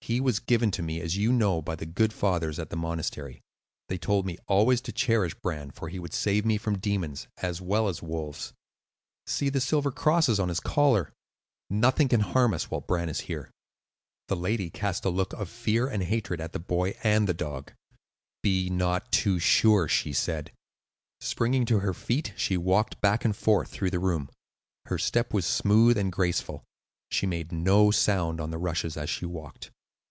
"He was given to me (as you know) by the good fathers at the monastery. They told me always to cherish Bran, for he would save me from demons, as well as wolves. See the silver crosses on his collar. Nothing can harm us while Bran is here." The lady cast a look of fear and hatred at the boy and the dog. "Be not too sure," she said. Springing to her feet, she walked back and forth through the room. Her step was smooth and graceful; she made no sound on the rushes as she walked.